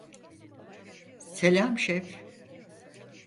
Selam, şef.